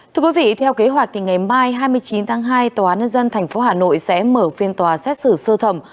thưa quý vị theo kế hoạch thì ngày mai hai mươi chín tháng hai tòa án nhân dân tp hà nội sẽ mở phiên tòa xét xử sơ thẩm